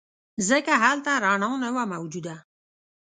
ځکه هلته رڼا نه وه موجوده.